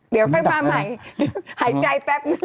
เดี๋ยวเรามาใหม่หายใจแปบ